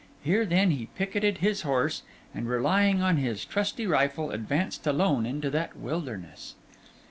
Here, then, he picketed his horse, and relying on his trusty rifle, advanced alone into that wilderness.